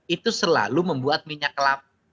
itu selalu membuat minyak kelapa